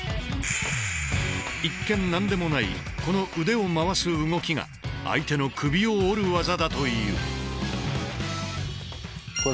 一見何でもないこの腕を回す動きが相手の首を折る技だという。